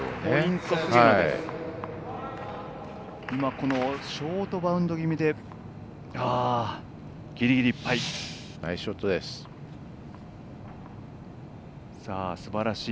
このショートバウンド気味でギリギリいっぱい。